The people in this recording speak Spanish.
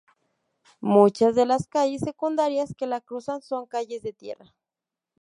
Muchas de las calles secundarias que la cruzan son calles de tierra.